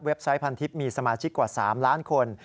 ไซต์พันทิพย์มีสมาชิกกว่า๓ล้านคน